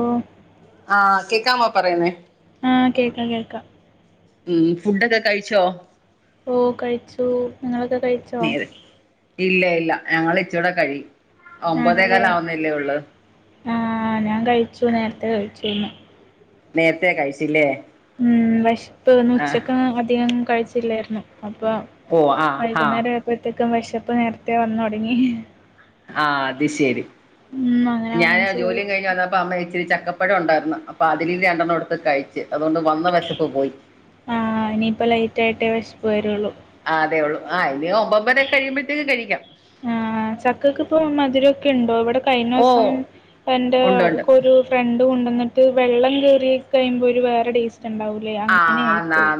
ഓ ആ കേക്കാമോ പറയിണെ ആ കേക്കാ കേൾക്കാം ഉം ഫുഡൊക്കെ കഴിച്ചോ ഓ കഴിച്ചു നിങ്ങളൊക്കെ കഴിച്ചോ നേരെ ഇല്ല ഇല്ല ഞങ്ങൾ ഇച്ചുടെ കഴിയ്യും ആണല്ലെ ആ ഞാൻ കഴിച്ചു നേരത്തെ കഴിച്ചു നേരത്തെ കഴിച്ച്ലെ ഉം വെശപ്പ്. ഇന്നുച്ചയ്ക്ക് അധികം കഴിച്ചില്ലായിരുന്നു. അപ്പൊ ഓ ആഹ് ആഹ് വൈകുന്നേരായപ്പോഴത്തേക്കും ക്ക് വെശപ്പ് നേരത്തെ വന്ന് തൊടങ്ങി ആ അത് ശരി. ഉം അങ്ങനെ ഞാൻ വാങ്ങിച്ചു ജോലിയും കഴിച്ചു കഴിഞ്ഞ് വന്നപ്പ അമ്മ ഇച്ചിരി ചക് ക്കപ്പഴം ഉണ്ടായിരുന്നു. അപ്പൊ അതില് രണ്ടെണ്ണം എടുത്ത് കഴിച്ച്. അതുകൊണ്ട് വന്ന വിശപ്പ് പോയി ആ ഇനിയിപ്പോ ലൈറ്റായിട്ട് വെശ വരെള്ളൂ ആ അതേ ഉള്ളൂ. ആ ഇനി ഒം ആ ചക്കക്ക് ഇപ്പൊ മധുരൊക്കെ ഇണ്ടോ? ഇവിടെ കഴിഞ്ഞ ഓ ദിവസം എന്റെ ഉണ്ട് ഉണ്ട് ഒരു ഫ്രണ്ട് കൊണ്ടുവന്നി ട്ട് വെള്ളം കേറി കഴിയുമ്പോ ഒരു വേറെ ടേസ് ഇണ്ടാവൂലേ? അങ്ങനെ ആയിപ്പോയി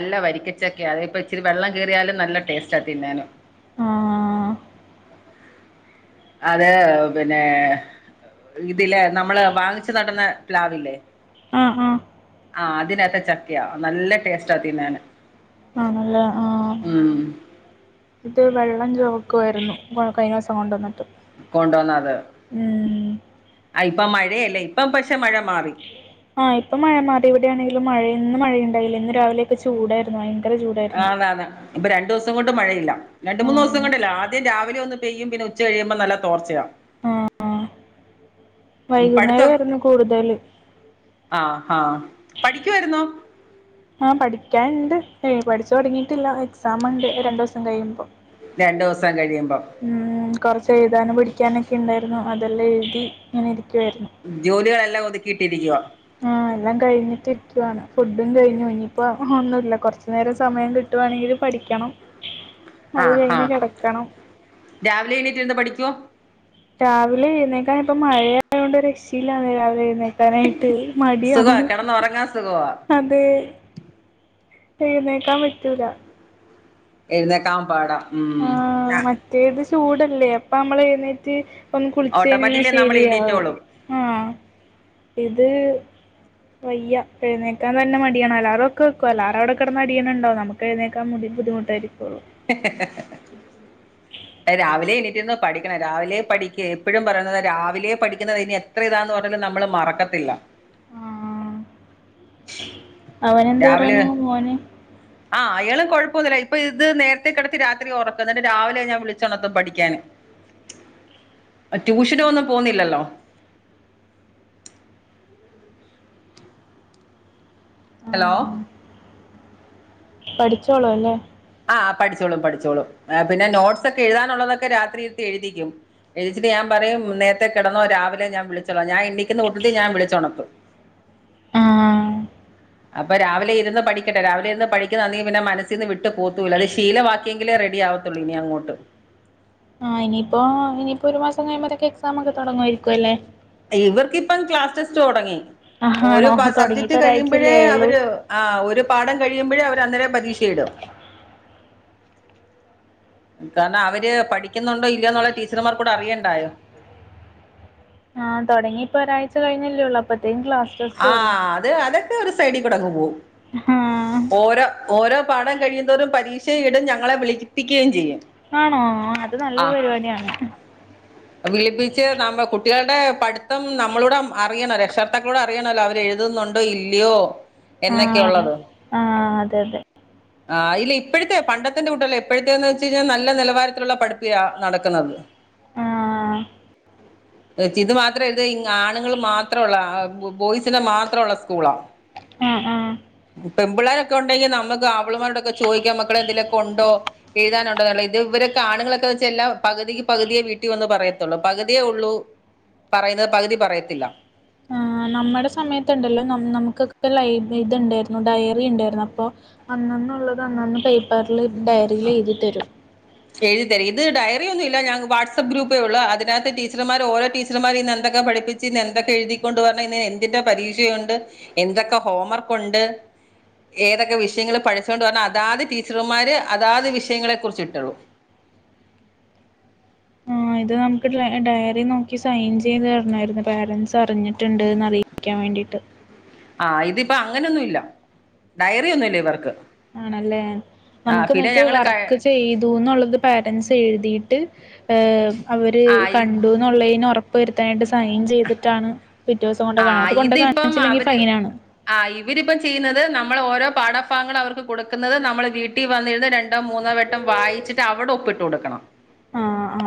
ല്ല വരിക്കച്ചക്കയാ. അതിനിപ്പ ഇച്ചിരി വെള്ളം കേറിയാലും നല്ല ടേസ്റ്റാ തിന്നാന്. ആ അതെ പിന്നെ ഇത് ഇതില്ലേ നമ്മള് വാങ്ങിച്ച് നട്ന്ന പ്ലാവില്ലേ? ആ ആ ആ അതിനകത്തെ ചക്കയാ. നല്ല ടേസ്റ്റാ തിന്നാന്. ആണല്ലേ? ആഹ്. ഉം ഇത് വെള്ളം ചൊവക്കുവായിരിന്നു. ആ കയിഞ്ഞദിവസം കൊണ്ടന്ന കൊണ്ടുവന്നത്? അ ഇപ്പം മഴ അതേ അല്ലേ? ഇപ്പം പശ് ആഹ് ഇപ്പ മഴ മാറി. ഇവിടെയാണെൽ മഴയെന്നും മഴ ഇണ്ടായില്ല ഇന്ന് രാവിലെയായപ്പം ചൂടായിരുന്നു. വയങ് ആന്നാന്ന്. ഇപ്പ രണ്ട് ദിവസം കൊണ്ട് മഴയില്ല. രണ്ട് ആ മൂന്ന് ദിവസം കൊണ്ടല്ല ആദ്യം രാവിലെ ഒന്ന് പെയ്യും പിന്നെ ഉച്ച കഴിയുമ്പം നല്ല തോർച്ചയാ ആഹ് ആഹ് ഉം പഠിത്തം വൈകുന്നേരാരുന്നു കൂടുതല്. ഹാ പഠിക്കുവാരുന്നോ? ആഹ് പഠിക്കാന്ണ്ട്. പഠിച്ച് തൊടങ്ങീട്ടില്ല. എക്സാമ്ണ്ട് രണ്ടീസം കഴിയുമ്പോ. രണ്ട് ദിവസം കഴിയും ഉം കൊറച്ച് എഴുതാനും പഠിക്കാനൊക്കെ ഇണ്ടായിരുന്നു. അതെല്ലെഴുതി ഇങ്ങനിരിക് ജോലി ആയൽ ല്ലാം ഒത്ക്കീട്ട് ഇരിക്കുവാ ആ എല്ലാം കഴിഞ്ഞിട്ട് ഇരിക്കുവാണ് ഫുഡും കഴിഞ്ഞു ഇനി ഇപ്പം ഒന്നും ഇല്ല കൊർച്ച് നേരം സമയം കിട്ടുവാണെൽ പഠിക്കണം അ അത് ആ കഴിഞ്ഞ് കിടക്കണം രാവിലെ എണീറ്റ് ഇര്ന്ന് പഠിക്കും രാവിലെ എഴ്ന്നേക്കാൻ ഇപ്പം മഴ ആയോണ്ട് ഒര് രക്ഷി ഇല്ലാന്നെ രാവിലെ എഴ് ക്കാനായിട്ട് ഒര് സുഖവാ മടിയാവും കിടന്നുറങ്ങാൻ സുഖവാ അതെ എഴ്ന്നേക്കാൻ പറ്റൂലാ എഴ്ന്നേക്കാ പാടാ ഉം ന ചൂട് അല്ലെ അപ്പ അമ്മൾ എഴ്ന്നേറ്റ് ഒന്ന് കുളിച്ച് കഴിഞ്ഞ് കഴിഞ്ഞാ ഓട്ടോമാറ്റിക്കലി നമ്മൾ ശരിയാവും എണീറ്റോളും ആഹ് ഇത് വയ്യ എഴുന്നേക്കാൻ തന്ന മടിയാണ് അലാറോക്കെ വക്കും അലാറം അവ്ടെ കേടന്ന് അടിയാണ് ഇണ്ടാവും നമ്മുക്ക് എഴുന്നേക്ക വല്യാ ബുദ്ധിമുട്ടാരികാള്ളു രാവിലെ എനി ത്ത് ഇര്ന്ന് പഠിക്കണം രാവിലെ പഠിക്ക് എപ്പഴും പറയുന്നതാ രാവിലെ പഠിക്ക്ന്നത് ഇനി എത്ര ഇതാന്ന് പർൺട്ട് ഇണ്ട് നമ്മൾ മറക്കത്തില്ല ആഹ് അവൻ എന്ത് രാവിലെ പറയുന്നു മോന്? ഇപ്പോ കുഴപ്പമോനുമില്ല ഇപ്പോ ഇത് നേരുതെ കിടത്തി രാത്രി ഉറക്കും എന്നിട്ട് രാവിലെ ഞാൻ വിളിച്ച് ഉണർത്തും പഠിക്കാൻ ട്യൂഷൻ ഒന്നും പോന്നില്ലല്ലോ ഹലോ പഠിചോള്ളും അല്ലെ ആഹ് പഠിച്ചോളും പഠിച്ചോളും പിന്നെ നോട്സൊക്കെ എഴുതാനൊള്ളതൊക്കെ രാത്രി ഇരുത്തി എഴുതിക്കും എഴുതിച്ചിട്ട് ഞാൻ പറയും നേരത്തെ കെടന്നോ രാവിലെ ഞാൻ വിളിച്ചോളാം ഞാൻ എണ്ണിക്കുന്ന കൂട്ടത്തിൽ ഞാൻ വിളിച്ചൊണത്തും. ആ അപ്പം രാവിലെ ഇരുന്ന് പഠിക്കട്ടെ രാവിലെ ഇരുന്ന് പഠിക്കുവാണെങ്കിൽ പിന്നെ മനസ്സീന്ന് വിട്ട് പോത്തുവില്ല അത് ശീലവാക്കിയെങ്കിലേ റെഡി ആവത്തൊള്ളൂ ഇനി അങ്ങോട്ട്. ആഹ് ഇനി ഇപ്പോ ഇനി ഇപ്പോ ഒരു മാസം കഴിയുപ്പഴതേക്കും എക്സാമൊക്കെ തൊടങ്ങു വാരിക്കുവല്ലേ ഇവർക്ക് ഇപ്പോൾ ക്ലാസ്സ്‌ ടെസ്റ്റ്‌ തൊടങ്ങി ഒരു ആണോ പ സബ്ജെക്ട് തുടങ്ങിട്ട് കഴിയുമ്പഴേ ഒരാഴ്ചല്ലേ ആയുള്ളൂ അവര് ഒരു പാടം കഴി കഴിയുമ്പഴേ അവർ അന്നേരം പരീക്ഷ ഇടും കാരണം അവര് പഠിക്കുന്നൊണ്ടോ ഇല്ലിയോനോള്ള ടീച്ചർമാർകൂടെ അറിയണ്ടായോ ആ തുടങ്ങി ഇപ്പോ ഒരാഴ്ച്ച കഴിഞ്ഞില്ലേ ഉള്ളൂ അപ്പോ ആഹ് അത് അതെ ഒരു സൈഡിൽ കൂടങ്ങ് പോവും. ആഹ് ഓരോ ഓരോ പാഠം കഴിയുന്തോറും പരീക്ഷ ഇടും ഞങ്ങളെ വിളിപ്പിക്കുകയും ചെയ്യും. ആണോ അത് നല്ലൊരു ആ പരിപാടിയാണ്. വിളിപ്പിച്ച് നമ്മ കുട്ടികളുടെ പഠിത്തം നമ്മളോടെ അറിയണം രക്ഷർത്താക്കളോടെ അറിയണല്ലോ അവര് എഴുതുന്നുണ്ടോ ഇല്ലയോ ആഹ് എന്നൊക്കെയുള്ളത് ആഹ് അതെ അതെ. ആ ഇല്ല ഇപ്പോഴത്തെ പണ്ടത്തിന്റെ കൂട്ടല്ലേ ഇപ്പോഴത്തേന്ന് വെച്ച് കഴിഞ്ഞാൽ നല്ല നിലവാരത്തിലുള്ള പഠിപ്പിയാ നടക്കുന്നത്. ആ ഇത് മാത്രം ഇത് ങ്ങാ ആണുങ്ങൾ മാത്രം ഒള്ളതാ ബോയ്സിന് മാത്രം ഉള്ള സ്കൂളാ. ആ ആ പെമ്പിള്ളാരൊക്കെ ഉണ്ടെങ്കി നമ്മുക്ക് അവളുമാരോടൊക്കെ ചോദിക്കാ മക്കളെ എന്തേലൊക്കെ ഉണ്ടോ എഴുതാനൊണ്ടോ എന്നുള്ള ഇത് ഇവരൊക്കെ ആണുങ്ങളൊക്കെ വെച്ച് എല്ലാം പകുതിക്ക് പകുതിയേ വീട്ടിൽ വന്നന്ന് പറയത്തുള്ളൂ പകുതിയേ ഉള്ളു പറയുന്നത് പകുതി പറയത്തില്ല. ആ നമ്മുടെ സമയത്തുണ്ടല്ലോ നമുക്കൊക്കെ ലൈബ ഇതിണ്ടായിരുന്നു ഡയറി ഉണ്ടായിരുന്നു അപ്പോൾ അന്നന്നുള്ളത് അന്നന്ന് പേപ്പറിൽ ഡയറിൽ എഴുതി തരും. എഴുതിതരും ഇത് ഡയറി ഒന്നും ഇല്ല ഞ വാട്സ്ആപ്പ് ഗ്രൂപ്പേ ഉള്ളൂ അതിനകത്ത് ടീച്ചർമാർ ഓരോ ടീച്ചർമാർ ഇന്ന് എന്തൊക്കെ പഠിപ്പിച്ച്, ഇന്ന് എന്തൊക്കെ എഴുതിക്കൊണ്ട് വരണം, ഇന്ന് എന്തിന്റെ പരീക്ഷയുണ്ട്, എന്തൊക്കെ ഹോം വർക്കുണ്ട്, ഏതൊക്കെ വിഷയങ്ങൾ പഠിച്ചോണ്ട് വരണം അതാത് ടീച്ചർമാർ അതാത് വിഷയങ്ങളെ കുറിച്ചിട്ടുള്ളു. ആ ഇത് നമുക്ക് ഡയറി നോക്കി സൈൻ ചെയ്ത് തരണമായിരുന്നു പേരൻസ് അറിഞ്ഞിട്ടുണ്ടെന്ന് അറിയിക്കാൻ വേണ്ടിയിട്ട്. ആഹ് ഇതിപ്പോ അങ്ങനൊന്നും ഇല്ല ഡയറി ഒന്നുമില്ല ഇവർക്ക്. ആണല്ലേ ആ നമുക്ക് പിന്നെ ന്നിട്ട് ഞങ്ങള് ക വർക്ക് ചെയ്തുന്നുള്ളത് പേരൻറ്സ് എഴുതിയിട്ട് ഏ അവര് ആ കണ്ടുന്നുള്ളൈന് ഒർപ്പ [unintelligible] സൈൻ ചെയ്ത്ട്ടാണ് ആ ഇതിപ്പം അവര് ഫൈനാണ് ആ ഇവരിപ്പം ചെയ്യുന്നത് നമ്മൾ ഓരോ പാട ഭാഗങ്ങൾ അവർക്ക് കൊടുക്കുന്നത് നമ്മൾ വീട്ടിൽ വന്നിരുന്ന് രണ്ടോ മൂന്നോ വട്ടം വായിച്ചിട്ട് അവിടെ ഒപ്പിട്ട് കൊടുക്കണം. ആ ആ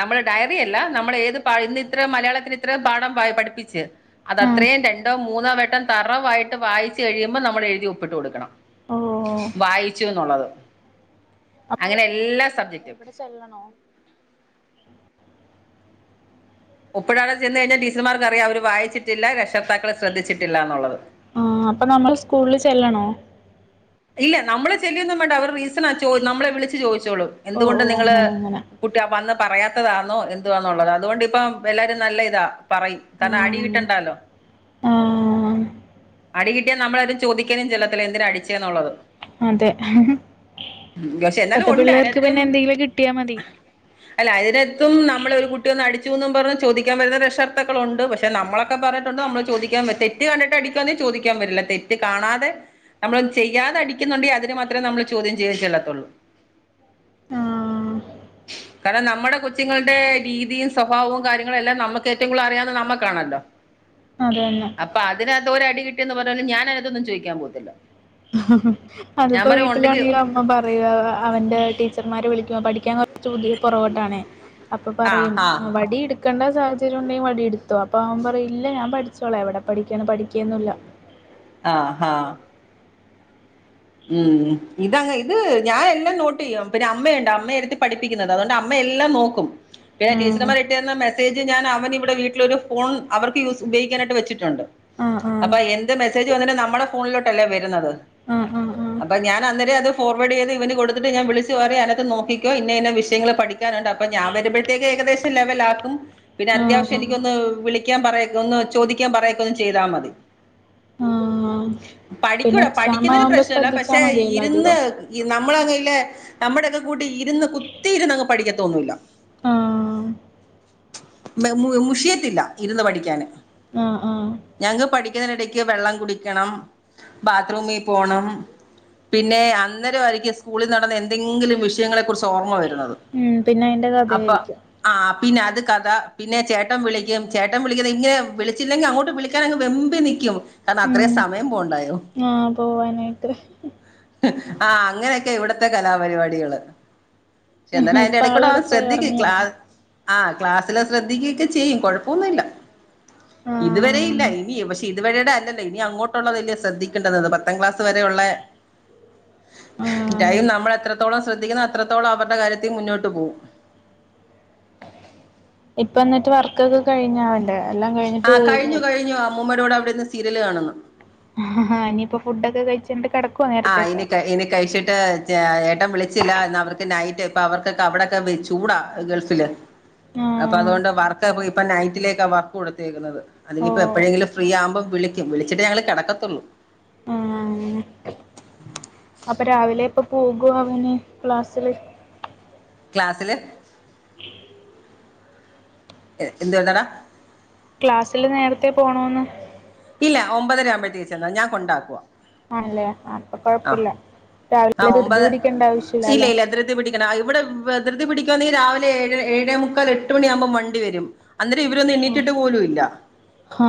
നമ്മള് ഡയറി അല്ല നമ്മൾ ഏത് പ ഇന്ന് ഇത്രം മലയാളത്തിന് ഇത്രയും പാഠം പ പഠിപ്പിച്ച് ആ ആ അതത്രയും രണ്ടോ, മൂന്നാം വട്ടം തറവായിട്ട് വായിച്ച് കഴിയുമ്പോ നമ്മൾ എഴുതി ഒപ്പിട്ട് കൊടുക്കണം. ഓ വായിച്ചു എന്നുള്ളത് നമ്മള് അങ്ങനെ എല്ലാ സബ്ജക്ടും ഇവിടെ ചെല്ലണോ ഉപ്പഴാട ചെന്ന് കഴിഞ്ഞാൽ ടീച്ചർമാർക്ക് അറിയ അവര് വായിച്ചില്ല രക്ഷ ആഹ് അപ്പൊ നമ്മൾ സ്കൂളില് ചെല്ലണോ ഇല്ല നമ്മള് ചെല്ലൊ ഒന്നും വേണ്ട അവർ റീ സണ് ചോ നമ്മളെ വിളിച്ച് ചോയിച്ചോളും ഓ എന്തുകൊണ്ട് ഓ നിങ്ങള് അങ്ങനെ അങ്ങനെ കുട്ടി ആ വന്ന പറയാത്തതാണോ എന്തുവാന്നുള്ളത് അതുകൊണ്ട് ഇപ്പം എല്ലാരും നല്ല ഇതാ പറയും കര്ണം അടി ആഹ് കിട്ടണ്ടാലോ ആഹ് അടി കിട്ടിയാ നമ്മളാരും ചോദിക്കാനും ചെല്ലത്തില്ല എന്തിനാ അടിച്ചേന്നുള്ളത് അതെ ഹ് ഹ് മ് ഉം പക്ഷെ എന്നാലും ഉണ്ട് അതിനകത്തും എന്തെങ്കിലും കിട്ടിയാ മതി അല്ല അതിനത്തും നമ്മള് ഒരു കുട്ടിയെ ഒന്ന് അടി ടിച്ചൂന്നും പറഞ്ഞു ചോദിക്കാൻ വരുന്ന രക്ഷർത്താക്കൾ ഉണ്ട് പക്ഷെ നമ്മളൊക്കെ പറഞ്ഞിട്ടുണ്ട് നമ്മൾ ചോദിക്കാൻ വ തെറ്റ് കണ്ടിട്ട് അടിക്കുവാന്നേ ചോദിക്കാൻ വരില്ല തെറ്റ് കാണാതെ നമ്മൾ ചെയ്യാതെ അടിക്കുന്നുണ്ടെയ് അതിന് മാത്രേ നമ്മള് ചോദ്യം [unintelligible] ചെല്ലത്തൊള്ളൂ ആഹ് കാരണം ന മ്മടെ കൊച്ചുങ്ങളുടെ രീതിയും സ്വഭാവവും കാര്യങ്ങളുംമെല്ലാം നമുക്ക് ഏറ്റവും കൂടുതൽ അറിയാവുന്നെ നമ്മക്കാണല്ലോ അതന്നെ അപ്പൊ അതിനാ തോ ഒരടി കിട്ടിയന്ന് പറഞ്ഞാലും ഞാൻ അതിനത്തൊന്നും ചോയ്ക്കാൻ പോവത്തില്ല ഹ ഹാ അതിപ്പോ വീട്ടിലാണെങ്കില് അം മ്മ പറയുവാ അവന്റെ ടീച്ചർമാര് വിളിക്കുമ്പം പഠിക്കാൻ കുറച്ച് ബുദ്ധി പുറകോട്ടാണെ അപ്പൊ ആഹ് പറയും ഹാ വടി ഇട് ക്കണ്ട സാഹചര്യം ഉണ്ടെങ്കിൽ വടി എടുത്തോ അപ്പൊ അവൻ പറയും ഇല്ല ഞാൻ പഠിച്ചോളാം എവിടെ പഠിക്കാനാ പഠിക്കയൊന്നുല്ല ആഹ് ഹാ ഉം ഇതങ്ങ് ഇത് ഞാൻ എല്ലാം നോട്ട് ചെയ്യും പിന്നെ അമ്മയുണ്ട് അമ്മയ ഇരുത്തി പഠിപ്പിക്കുന്നത് അതുകൊണ്ട് അമ്മ എല്ലാം നോക്കും ആഹ് പിന്നെടീച്ചർമാര് ഇട്ട് തരുന്ന മെസ് ത്യേകിച്ച് ഞാൻ അവനിവിടെ വീട്ടിലൊരു ഫോൺ അവർക്ക് യൂസ് ഉപയോഗിക്കാനായിട്ട് വെച്ചിട്ടുണ്ട് ആ ആ സ്സേജ് വന്നിട്ട് നമ്മുടെ ഫോണിലോട്ടല്ലേ വരുന്നത് ആ ആ അപ്പൊ ഞാൻ അന്നേരെ അത് ഫോർവേഡ് ചെയ്ത് ഇവന് കൊടുതിട്ട് ഞാൻ വിളിച്ച് പറയും അതിനത്ത് നോക്കിക്കോ ഇന്ന ഇന്ന വിഷയങ്ങള് പഠിക്കാനുണ്ട് അപ്പ ഞാൻ വരുമ്പഴ്ത്തേക്ക് ഏകദേശ ലെവലാക്കും പിന്നെ അത്യാവശ്യം ആഹ് ആഹ് എനിക്കൊന്ന് വിളി ക്കാൻ പറയക്കൊന്നു ചോദിക്കാൻ പറയക്കൊന്ന് ചെയ്താ മതി ആഹ് പിന്നെ പഠിക്കുടാ എക്സാം പഠിക്കുന്നേന് ആവുമ്പോ പ്രശ് ല്ലാ ശ്രദ്ധിച്ചാ പക്ഷെ മതിയല്ലോ ഇരുന്ന് അധികം ഇര് നമ്മളങ്ങുല്ലേ നമ്മുടൊക്കെ കൂട്ട് ഇരുന്ന് കുത്തിയിരുന്ന് അങ്ങ് പഠിക്കത്തൊന്നൂല്ല ആഹ് മുഷിയത്തില്ല ഇരുന്ന് പഠിക്കാന് ആഹ് ആഹ് ഞങ്ങക്ക് പഠിക്കതിനിടയ്ക്ക് വെള്ളം കുടിക്കണം ബാത്റൂമിൽ പോണം പിന്നെ അന്നേരായിരിക്കും സ്കൂളിൽ നടന്ന എന്തെങ്കിലും വിഷയങ്ങളെ കുറിച്ച് ഓർമ്മ വരുന്നത് ഉം പിന്നെ അയ്ന്റെ കഥ അപ്പൊ ആയിരിക്കും ആ പിന്നെ അത് കഥ പിന്നെ ചേട്ടൻ വിളിക്കും ചേട്ടൻ വിളിക്കുന്നത് ഇങ്ങനെ വിളിച്ചില്ലെങ്കി അങ്ങോട്ട് വിളിക്കാൻ അങ് വെമ്പി നിക്കും ഉം ആ പോവാനായിട്ട് ഹ് ആ അങ്ങനെയൊക്കെ ഇവിടത്തെ കലാപരിപാടികള് ക്ഷെ എന്നാലും അതിന്റെ ഇപ്പ എടകൂടെ ആളെവിടെ ഓൻ പോയി ശ്രദ്ധിക്കും ഒറങ്ങിയോ ക്ലാ ആ ക്ലാസ്സില് ശ്രദ്ധികോകെ ചെയ്യും കൊഴപ്പൊന്നുല്ല ഇതുവരെ ഇല്ല ആഹ് ഇനി വക്ഷെ ഇതുവരെ അ അല്ല ഇനി അങ്ങോട്ടുള്ളതല്ലേ ശ്രദ്ധിക്കേണ്ടത് പത്താംക്ലാസ് വ [unintelligible] ആഹ് ടൈം നമ്മള് എത്രത്തോളം ശ്രദ്ധിക്കുന്ന അത്രത്തോളം അവരുടെ കാര്യത്തിൽ മുന്നോട്ട് പോവും ഇപ്പ എന്നിട്ട് വർകോക്കെ കഴിഞ്ഞാ വല്ലേ എല്ലാം കഴിഞ്ഞിട്ട് അമ്മുമ്മയുടെ കുടെ അവിടെര്ന്ന് സീരിയല് കാണുന്ന് ഹാ ഹാ ഇനിയിപ്പോ ഫുഡൊക്കെ കഴിച്ചിട്ട് കെടക്കുവോ ആ നേരത്തേക്ക് ഇനി ക ഇനി കഴിച്ചിട്ട് ഏട്ടൻ വിളിച്ചില്ല ഇന്ന് അവർക്ക് നൈറ്റ് ഇപ്പ അവർക്കൊക്കെ അവിടെക്കെ ചൂടാ ഗൾഫില് അപ്പൊ ആഹ് അതുണ്ട് വർ [unintelligible] ഇപ്പ നൈറ്റിലേക്കാ വർക്ക് കൊടുത്തേക്കുന്നത് അതിനി ഇപ്പം ഓഹ് എപ്പോഴെങ്കിലും ഫ്രീ ആകുമ്പം വിളിക്കും വിളിച്ചിട്ടേ ഞങ്ങള് കെടക്കതോള്ളൂ അപ്പ രാവിലെ ഇപ്പൊ പോകുവാന്ന് ക്ലാസ്സില് ക്ലാസ്സില് എന്ത് വേണ്ടടാ ക്ലാസ്സില് നേരത്തെ പോണോ ന്ന് ഇല്ല ഒമ്പതര ആവുമ്പഴത്തേക്ക് ചെന്നാ ഞാൻ കൊണ്ടാക്കും ആല്ലേ ആ അപ്പൊ കൊഴപ്പല്ല രാവിലെ ആഹ് ദിർദി ഒമ്പത് പിടിക്കേണ്ട ആവശ്യല്ല ഇല്ല അല്ലെ ഈ രാവിലെ ഏഴ ഏഴേ മുക്കാല് എട്ടുമണിയാകുമ്പോ വണ്ടി വരും അന്നേരം ഇവരൊന്നും എണ്ണീറ്റിട്ട് പോലും ഇല്ല ഹാ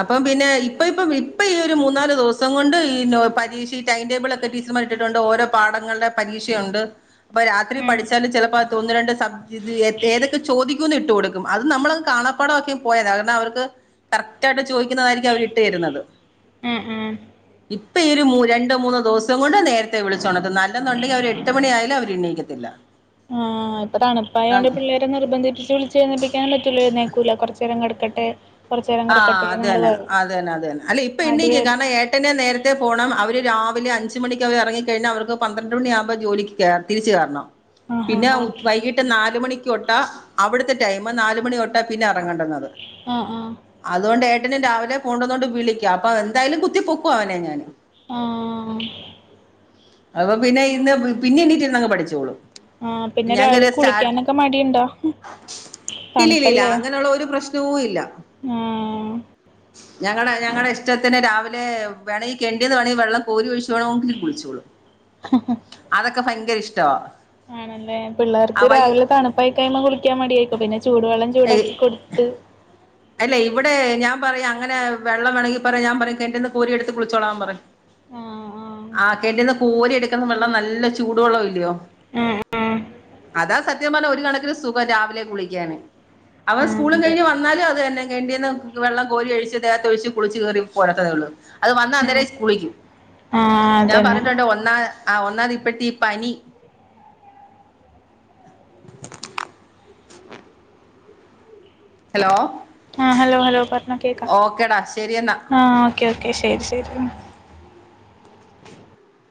അപ്പം പിന്നെ ഇപ്പൊ ഇപ്പ ഇപ്പൊ ഈ ഒരു മൂന്നാല് ദിവസം കൊണ്ട് ഈ പരീക്ഷ ഈ ടൈം ടേബിള് ഒക്കെ ടീച്ചർമാർ ഇട്ടിട്ടുണ്ട് ഓരോ പാടങ്ങൾടെ പരീക്ഷയുണ്ട് അപ്പൊ രാത്രി ഉം പഠിച്ചാലും ചിലപ്പോ ഒന്ന് രണ്ട് സബ് ഇത് എത് ഏതൊക്കെ ചോദിക്കുംന്ന് കൊടുക്കും അത് നമ്മള് കാണാപ്പാടാക്കി പോയ കാരണം അവർക്ക് കറ [unintelligible] ചോദിക്കുന്നതായിരിക്കും അവർ ഇട്ട് തരുന്നത് എ എ ഇപ്പ ഈ ഒരു രണ്ടോ മൂന്നു ദിവസം കൊണ്ട് നേരത്തെ വിളിച്ചു ഉണത്തുന്ന അല്ലെന്നുണ്ടെങ്കിൽ അവര് എട്ട് മണിയായാല അവര് എണി ക്കത്തില്ല ആ ഇപ്പൊ തണുപ്പായൊണ്ട് പിള്ളേരെ നിർബന്ധിപ്പിച്ചച്ച് വിളിച്ചേന്നിപ്പിക്കാൻ പറ്റൂല്ല എരുന്നേക്കൂല കൊറച്ച് നേരം കിട ക്കട്ടെ ആ അത തന്നെ അത തന്നെ അത തന്നെ അല്ലെ ഇപ്പൊ എണ്ണീക്കും മടിയായിരിക്കും കാരണം ഏട്ടനെ നേരത്തെ പോണം അവര് ഒരു രാവിലെഞ്ച് മണിക്ക് അവർ ഇറങ്ങിക്കഴിഞ്ഞ അവർക്ക് പന്ത്രണ്ട് മണിയാവുമ്പോ ജോലിക്ക് കയ തിരിച്ച് കയറണം ആ ഹാ പിന്നെ ഹാ ഉ വൈകിട്ട് നാല് മണിക്ക് തൊട്ട അവിടുത്തെ ടൈം നാല് മണി തൊട്ടേ പിന്നെ ഇറങ്ങണണ്ടത് ആ ആ അതൊണ്ട് എ ട്ടൻ രാവിലെ പോണ്ടത്തൊണ്ട് വിളിക്കാം അപ്പ എന്തായ്ലും കുത്തി പൊക്കു അവനെ ഞാന് ആ അപ്പൊ പിന്നെ ഇന്ന് പിന്നെ എണീറ്റിരുന്നങ് പഠിച്ചോളും ആ പിന്നെ ഞാൻ രാവിലെ കയറിയ സ്റ്റാർട്ട് കുളിക്കാനൊക്കെ മടിയുണ്ടാ ഇല്ല ഇല്ല ഇല്ല തണുപ്പല്ലേ അങ്ങനെയുള്ള ഒരു പ്രശ്നവും ആ ഞങ്ങടെ ഞങ്ങടെ ഇഷ്ടത്തിന് രാവിലെ വേണെങ്കി കെണ്റ്റിന് വേണെങ്കി വെള്ളം കോരി ഒഴിച് [unintelligible] കുളിച്ചോളും അതൊക്കപ്പ ഭയ്ങ്കരിഷ്ടാ ആണല്ലേ പിള്ളേർക്ക് രാവിലെ തണുപ്പായി കയ്മ്പ കുളിക്കാ മടി ആയ്ക്കും പിന്നെ ചൂടുവെള്ളം ചൂടാക്കി കൊടുത്ത് അല്ല ഇവിടെ ഞാൻ പറയും അങ്ങനെ വെള്ളംവേണകി പറയാ ഞാ പറയും കെണ്റ്റിന്ന് കോരി എടുത്ത് കുള്ച്ചോളാൻ പറയും ആ ആ കെണ്റ്റിന്ന് കോരി എടുക്കമ്പ വെളള ള്ളം നല്ല ചൂടുവെള്ളം ല്ലയോ ഉം ഉം അതാ സത്യം പർഞ്ഞ ഒരു കണക്കിന് സുഖം രാവിലെ കുളിക്കാന് അവർ ഉം സ്കൂളും അതെ കഴിഞ്ഞ് വന്നാല് കെണ്റ്റിന്ന് വെള്ളം കോരി ഒഴിച്ച് ദേഹതൊഴിച്ച് കുളിച്ച് കേറി പോലത്തതെ ഉള്ളൂ അത് വന്ന ഉം അന്നേരെ കുളിക്കും ആ ഞാൻ അതന്നെ പറ്ഞ്ഞിട്ടൊണ്ട് ഒന്ന ആ ഒന്നാത് ഇപ്പഴ് ത്തെ ഈ പനി ഹലോ ആ ഹലോ ഹലോ പർഞ്ഞോ കേക്കാം ഓക്കേടാ ശരി എന്നാ ആ ഓക്കേ ഓക്കേ ശെരി ശെരി [inaudible]